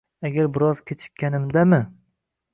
Agar biroz kechikkanimda-mi